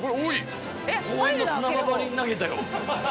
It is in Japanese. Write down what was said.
公園の砂場ばりに投げたよ。